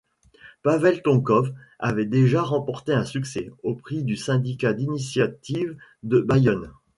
Pavel Tonkov avait déjà remporté un succès...au Prix du syndicat d'initiave de Bayonne.